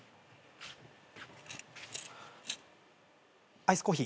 アイスコーヒー。